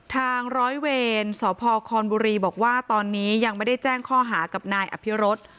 ทางร้อยเวรสพคอนบุรีบอกว่าตอนนี้ยังไม่ได้แจ้งข้อหากับนายอภิรส